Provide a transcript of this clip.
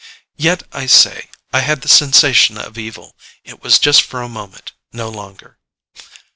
Yet, I say, I had the sensation of evil. It was just for a moment; no longer.